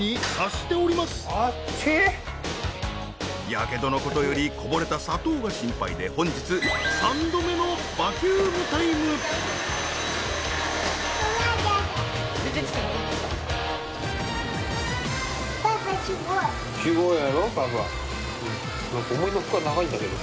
やけどの事よりこぼれた砂糖が心配で本日３度目のえっなんで？